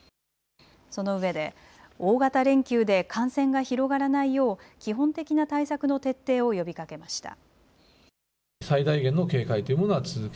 そのうえで大型連休で感染が広がらないよう基本的な対策の徹底を呼びかけました。